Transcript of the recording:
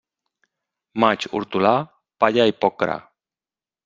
Maig hortolà, palla i poc gra.